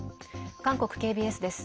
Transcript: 韓国ＫＢＳです。